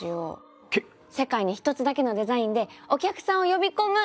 世界に一つだけのデザインでお客さんを呼び込むみたいな。